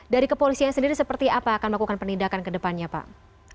dari kepolisian sendiri seperti apa akan melakukan penindakan ke depannya pak